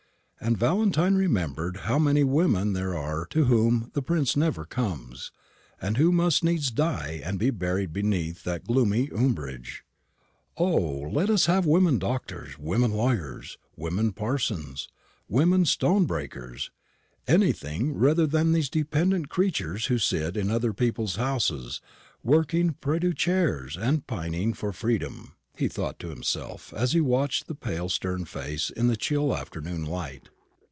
And Valentine remembered how many women there are to whom the prince never comes, and who must needs die and be buried beneath that gloomy umbrage. "O! let us have women doctors, women lawyers, women parsons, women stone breakers anything rather than these dependent creatures who sit in other people's houses working prie dieu chairs and pining for freedom," he thought to himself, as he watched the pale stern face in the chill afternoon light.